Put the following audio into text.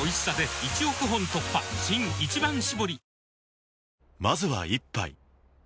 新「一番搾り」